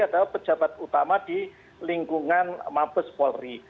adalah pejabat utama di lingkungan mabes polri